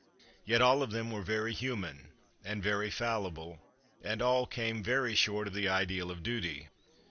Yet all of them were very human and very fallible, and all came very short of the ideal of duty.